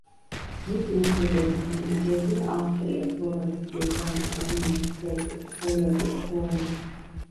მისი მოსაზღვრე სახელმწიფოებია: ავსტრია, სლოვაკეთი, უკრაინა, რუმინეთი, სერბეთი, ხორვატია, სლოვენია.